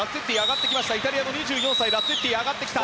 イタリアのラッツェッティが上がってきた。